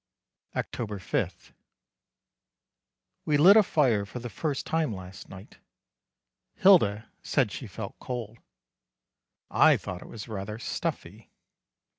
October 5. We lit a fire for the first time last night. Hilda said she felt cold. I thought it was rather stuffy.